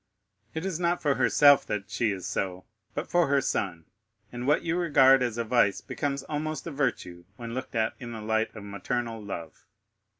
"It is not for herself that she is so, but for her son, and what you regard as a vice becomes almost a virtue when looked at in the light of maternal love."